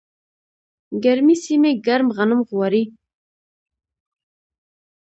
ګرمې سیمې ګرم غنم غواړي.